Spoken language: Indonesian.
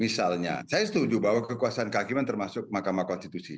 misalnya saya setuju bahwa kekuasaan kehakiman termasuk mahkamah konstitusi